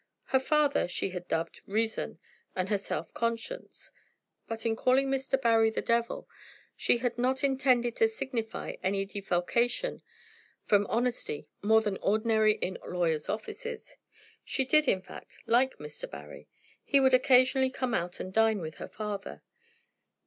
Her father she had dubbed "Reason," and herself "Conscience;" but in calling Mr. Barry "the Devil" she had not intended to signify any defalcation from honesty more than ordinary in lawyers' offices. She did, in fact, like Mr. Barry. He would occasionally come out and dine with her father.